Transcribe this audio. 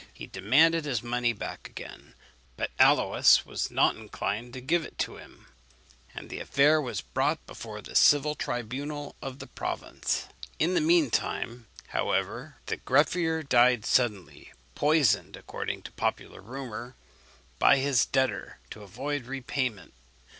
He demanded his money back again; but Aluys was not inclined to give it him, and the affair was brought before the civil tribunal of the province. In the mean time, however, the greffier died suddenly; poisoned, according to the popular rumour, by his debtor, to avoid repayment.